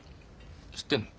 知ってんの？